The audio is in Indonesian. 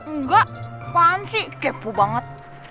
nggak apaan sih kepo banget